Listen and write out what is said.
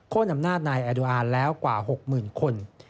อำนาจนายแอดุอาร์แล้วกว่า๖๐๐๐คน